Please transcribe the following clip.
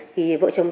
thì vợ chồng tôi